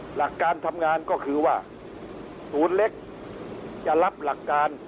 หลักการทำงานก็คือว่าศูนย์เล็กจะรับหลักการ